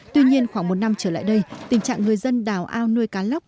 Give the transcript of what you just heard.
tuy nhiên khoảng một năm trở lại đây tình trạng người dân đào ao nuôi cá lóc